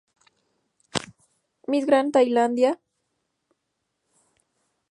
Miss Grand Tailandia es un concurso nuevo pero con una reconocible aceptación nacional.